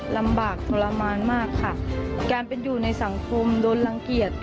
ลำบากทรมานมากค่ะการเป็นอยู่ในสังคมโดนรังเกียจ